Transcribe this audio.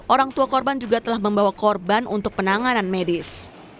orang tua korban juga telah membawa korban untuk penanganan medis